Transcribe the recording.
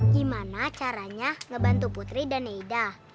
gimana caranya ngebantu putri dan neida